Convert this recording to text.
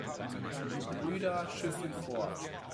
Die Brüder schiffen fort.